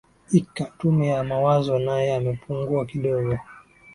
ika tume ya mawazo nae amepungua kidogo